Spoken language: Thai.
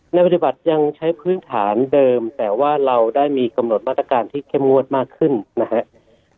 ในปฏิบัติยังใช้พื้นฐานเดิมแต่ว่าเราได้มีกำหนดมาตรการที่เข้มงวดมากขึ้นนะครับ